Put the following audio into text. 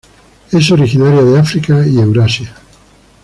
Es originaria de África y Eurasia.